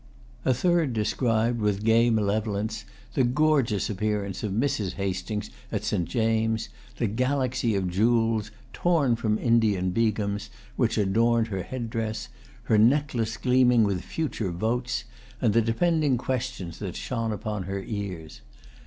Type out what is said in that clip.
A third described, with gay malevolence, the gorgeous appearance of Mrs. Hastings at St. James's, the galaxy of jewels, torn from Indian Begums, which adorned her headdress, her necklace gleaming with future votes, and the depending questions that shone upon her ears.